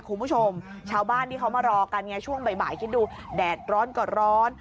คุณผู้ชมชาวบ้านที่เขามารอกันไงช่วงบ่ายคิดดูแดดร้อนก็ร้อน